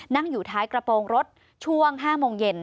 นั่งอยู่ท้ายกระโปรงรถช่วง๕โมงเย็น